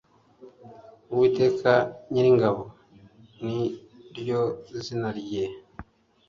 Uwiteka Nyiringabo ni ryo zina rye